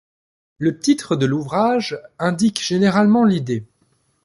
Le titre de l'ouvrage indique généralement l'idée.